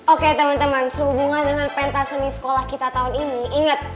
oke teman teman sehubungan dengan pentasemi sekolah kita tahun ini inget